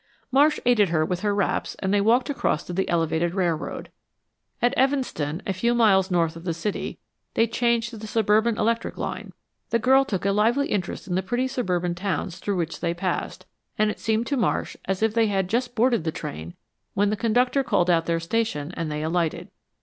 Marsh aided her with her wraps and they walked across to the elevated railroad. At Evanston, a few miles north of the city, they changed to the suburban electric line. The girl took a lively interest in the pretty suburban towns through which they passed, and it seemed to Marsh as if they had but just boarded the train when the conductor called out their station and they alighted.